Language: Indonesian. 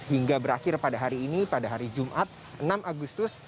hingga berakhir pada hari ini pada hari jumat enam agustus